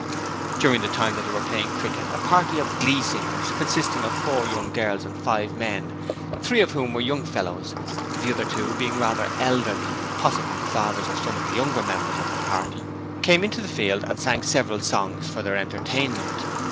During the time that they were playing cricket a party of glee singers, consisting of four young girls and five men, three of whom were young fellows, the other two being rather elderly, possibly the fathers of some of the younger members of the party, came into the field and sang several part songs for their entertainment.